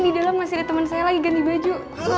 di dalam masih ada teman saya lagi ganti baju